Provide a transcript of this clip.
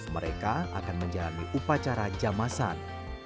mereka akan menjalani upacara jamasan